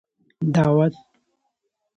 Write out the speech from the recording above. دعوت